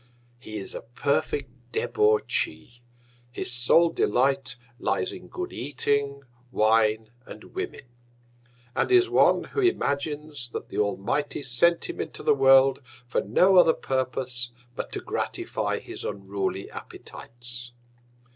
He is a perfect Debauchee; his sole Delight lies in good Eating, Wine, and Women; and is one, who imagines, that the Almighty sent him into the World for no other Purpose but to gratify his unruly Appetites.